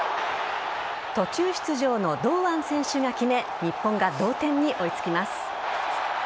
途中出場の堂安選手が決め日本が同点に追いつきます。